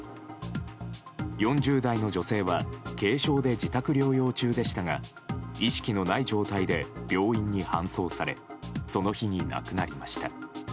４０代の女性は軽症で自宅療養中でしたが意識のない状態で病院に搬送されその日に亡くなりました。